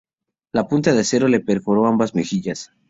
La punta de acero le perforó ambas mejillas.